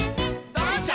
「ドロンチャ！